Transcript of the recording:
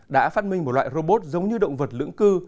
đã phát minh một loại robot giống như động vật lưỡng cư